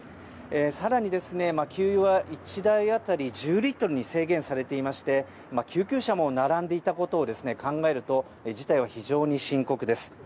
更に、給油は１台当たり１０リットルに制限されていまして救急車も並んでいたことを考えると事態は非常に深刻です。